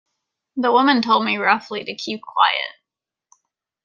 The woman told me roughly to keep quiet.